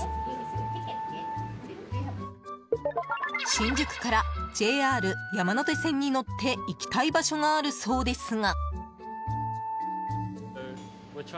新宿からＪＲ山手線に乗って行きたい場所があるそうですが。